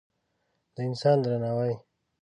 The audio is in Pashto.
د انسان درناوی